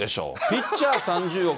ピッチャー３０億